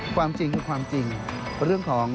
ความจริงคือความจริง